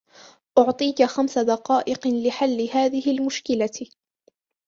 أُعطيك خَمس دقائق لحل هذه المشكلة.